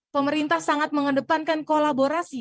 pemerintah sangat mengedepankan kolaborasi